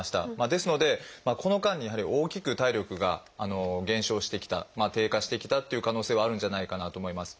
ですのでこの間にやはり大きく体力が減少してきた低下してきたっていう可能性はあるんじゃないかなと思います。